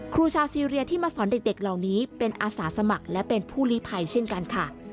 ครูชาวซีเรียที่มาสอนเด็กเหล่านี้เป็นอาสาสมัครและเป็นผู้ลิภัยเช่นกันค่ะ